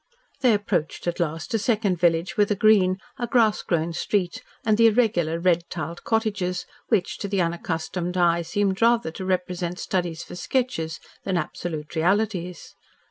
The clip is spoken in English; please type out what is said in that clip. They approached at last a second village with a green, a grass grown street and the irregular red tiled cottages, which to the unaccustomed eye seemed rather to represent studies for sketches than absolute realities.